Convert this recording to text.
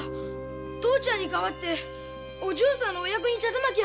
父ちゃんに代わってお嬢さんのお役に立たなきゃ。